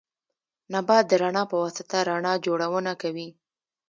نبات د رڼا په واسطه رڼا جوړونه کوي